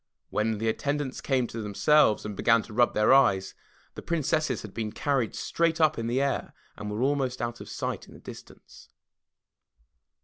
When the attendants came to themselves and began to rub their eyes, the Princesses had been carried straight up in the air and were almost out of sight in the distance!